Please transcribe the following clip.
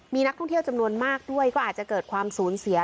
มีนักท่องเที่ยวจำนวนมากด้วยก็อาจจะเกิดความสูญเสีย